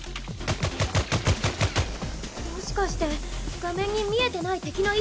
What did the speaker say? もしかして画面に見えてない敵の位置がわかるの？